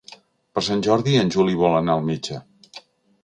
Per Sant Jordi en Juli vol anar al metge.